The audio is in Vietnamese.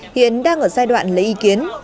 hiện đang ở giai đoạn lấy ý kiến